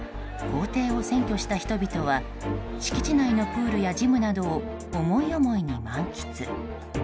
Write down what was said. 公邸を占拠した人々は敷地内のプールやジムなどを思い思いに満喫。